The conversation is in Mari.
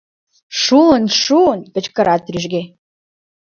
— Шуын, шуын! — кычкырат рӱжге.